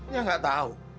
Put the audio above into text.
ya gak tahu